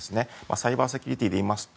サイバーセキュリティーでいいますと